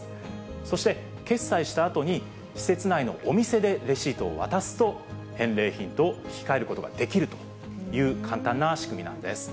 そして決済したあとに、施設内のお店でレシートを渡すと、返礼品と引き換えることができるという簡単な仕組みなんです。